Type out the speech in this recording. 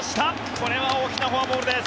これは大きなフォアボールです。